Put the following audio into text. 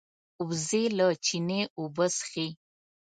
وزې له چینې اوبه څښي